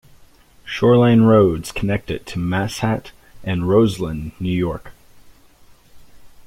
Shoreline roads connect it to Manhasset and Roslyn, New York.